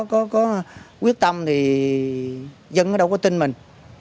có quyết tâm thì dân ở đâu có tin mình